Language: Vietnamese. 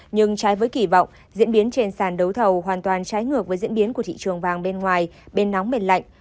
nhưng trái với kỳ vọng diễn biến trên sàn đấu thầu hoàn toàn trái ngược với diễn biến của thị trường vàng bên ngoài bên nóng bền lạnh